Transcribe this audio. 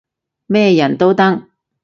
咩人都得